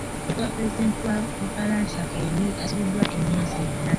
Eyakuba Pulezidenti wa Bufalansa oluyi asibiddwa emyezi ena.